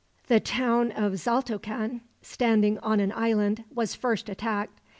The town of Xaltocan, standing on an island, was first attacked.